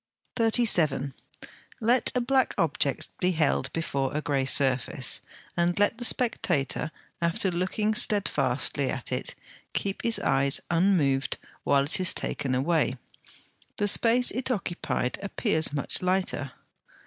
37. Let a black object be held before a grey surface, and let the spectator, after looking steadfastly at it, keep his eyes unmoved while it is taken away: the space it occupied appears much lighter.